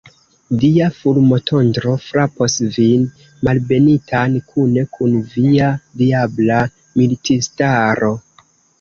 Dia fulmotondro frapos vin, malbenitan, kune kun via diabla militistaro!